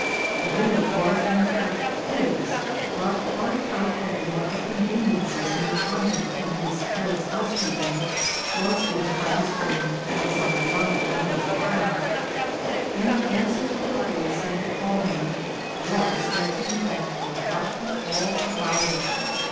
The dinner was in fact his ; but, on ac count of want of conveniences in the convent from his careless housekeeping, was given by his friend Don Santiago on his behalf, and the answer of the boy sent to call him was that he had forgotten all about it.